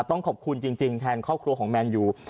ต้องขอบคุณจริงแทนครอบครัวของแมนยู